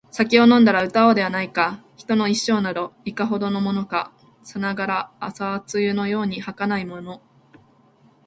酒を飲んだら歌おうではないか／人の一生など、いかほどのものか／さながら朝露のように儚いもの